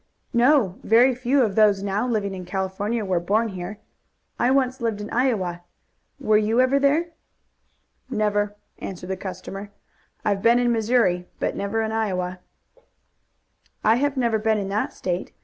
"No; very few of those now living in California were born here. I once lived in Iowa. Were you ever there?" "Never," answered the customer. "I've been in Missouri, but never in Iowa." "I have never been in that State.